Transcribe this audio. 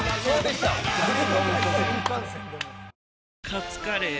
カツカレー？